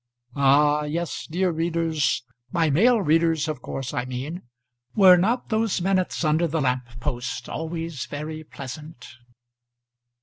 Ah, yes, dear readers my male readers of course I mean were not those minutes under the lamp post always very pleasant?